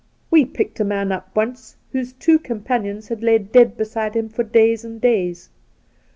We picked a man up once whose two companions had lain dead beside him for days and days.